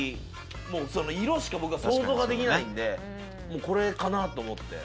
もうその色しか僕は想像ができないんでもうこれかなと思って。